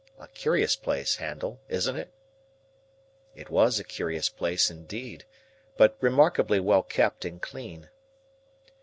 A curious place, Handel; isn't it?" It was a curious place, indeed; but remarkably well kept and clean.